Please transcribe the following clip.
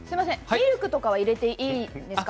ミルクとかを入れてもいいんですか？